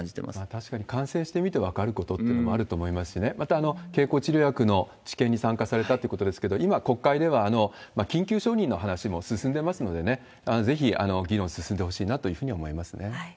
確かに感染してみて分かることというのもあると思いますしね、また、経口治療薬の治験に参加されたってことですけれども、今、国会では緊急承認の話も進んでますので、ぜひ議論進んでほしいなというふうに思いますね。